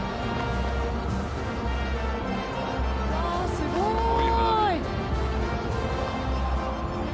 すごい！